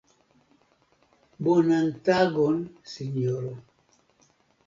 Bonan tagon sinjoro!